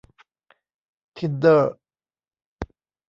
ทินเดอร์